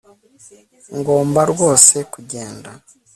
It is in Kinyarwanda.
Ngomba rwose kugenda